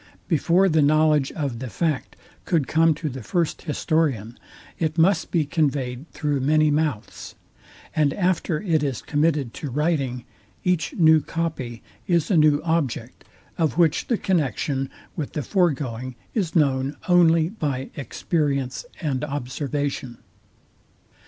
Before the knowledge of the fact could come to the first historian, it must be conveyed through many mouths; and after it is committed to writing, each new copy is a new object, of which the connexion with the foregoing is known only by experience and observation.